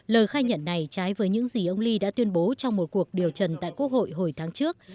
lời khai nhận này trái với những gì ông lee đã tuyên bố trong một cuộc điều trần tại quốc hội hồi tháng trước